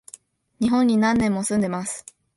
日本に何年も住んでます